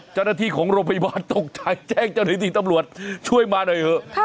เจ้าหน้าที่ของโรงพยาบาลตกใจแจ้งเจ้าหน้าที่ตำรวจช่วยมาหน่อยเถอะ